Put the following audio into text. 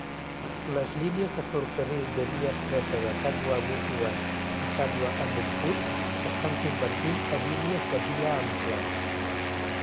Les línies de ferrocarril de via estreta de Katwa-Burdwan i Katwa-Ahmedpur s'estan convertint a línies de via ampla.